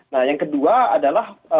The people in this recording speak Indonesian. nah yang kedua adalah